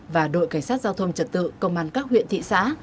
và đội cảnh sát giao thông trật tự công an các huyện thị xã